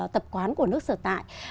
tập quán của nước sở tại